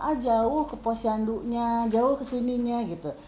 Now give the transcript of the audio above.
ah jauh ke posyandunya jauh kesininya gitu